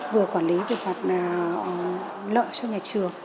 vừa quản lý về mặt lợi cho nhà trường